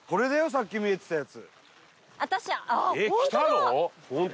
さっき見えてたやつ。